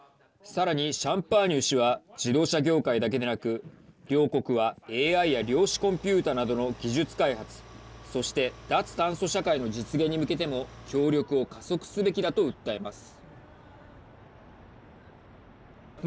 さらに、シャンパーニュ氏は自動車業界だけでなく両国はＡＩや量子コンピューターなどの技術開発そして脱炭素社会の実現に向けても協力を加速すべきだと訴えます。